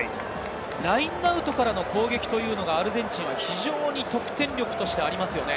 ラインアウトからの攻撃がアルゼンチンは非常に得点力としてありますよね。